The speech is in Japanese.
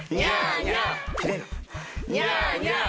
ニャーニャー。